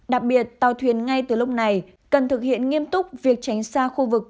đặc biệt tàu thuyền ngay từ lúc này cần thực hiện nghiêm túc việc tránh xa khu vực